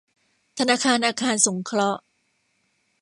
ธนาคารอาคารสงเคราะห์